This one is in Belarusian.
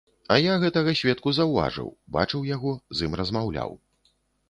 А я гэтага сведку заўважыў, бачыў яго, з ім размаўляў.